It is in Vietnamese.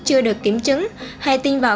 chưa được kiểm chứng hay tin vào